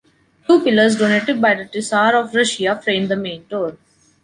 Two pillars donated by the Tsar of Russia frame the main door.